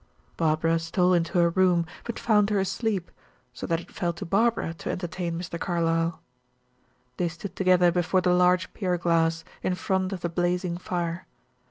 Barbara stole into her room, but found her asleep, so that it fell to Barbara to entertain Mr. Carlyle. They stood together before the large pierglass, in front of the blazing fire.